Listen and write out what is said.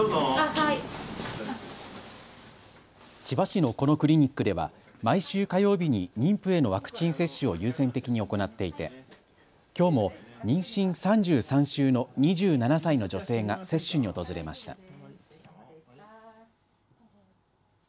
千葉市のこのクリニックでは毎週火曜日に妊婦へのワクチン接種を優先的に行っていてきょうも妊娠３３週の２７歳の女性が接種に訪れました。